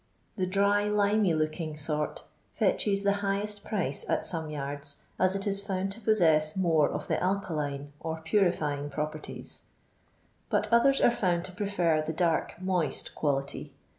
The " dry liMy looking sort" fetches the highest price at somo yards, as it is found to possess more of the alkalios^ or purify ing properties ; but others are found to pivfer the dark moist quality.